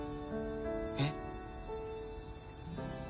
えっ？